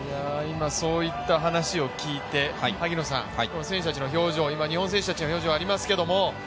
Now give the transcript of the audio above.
そういった話を聞いて選手たちの表情、今、日本選手たちの表情もありますが。